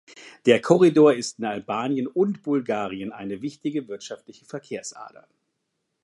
Der Korridor ist in Albanien und Bulgarien eine wichtige wirtschaftliche Verkehrsader.